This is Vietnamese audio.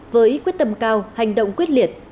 với quyết tâm cao hành động quyết liệt